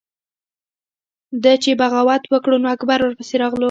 ده چې بغاوت وکړو نو اکبر ورپسې راغلو۔